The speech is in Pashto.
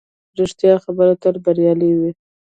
ریښتیا خبرې تل بریالۍ وي